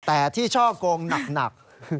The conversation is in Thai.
แต่ที่ช่อกงหนัก